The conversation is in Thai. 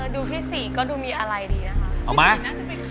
ดูพี่สีก็ดูมีอะไรดีนะครับ